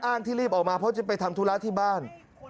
ที่รีบออกมาเพราะจะไปทำธุระที่บ้าน